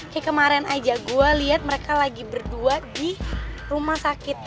kayak kemarin aja gue lihat mereka lagi berdua di rumah sakit